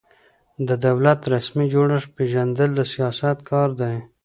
د دولت رسمي جوړښت پېژندل د سیاست کار دی.